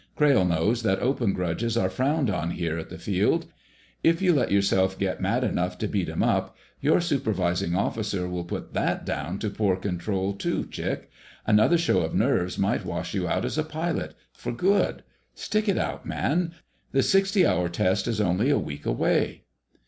Crayle knows that open grudges are frowned on here at the Field. If you let yourself get mad enough to beat him up, your supervising officer will put that down to poor control, too, Chick. Another show of nerves might wash you out as a pilot—for good. Stick it out, man! The sixty hour test is only a week away."